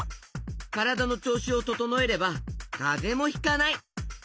からだのちょうしをととのえればかぜもひかない！